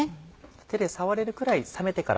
手で触れるぐらい冷めてから。